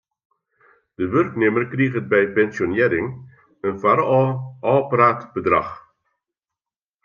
De wurknimmer kriget by pensjonearring in foarôf ôfpraat bedrach.